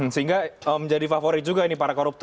sehingga menjadi favorit juga ini para koruptor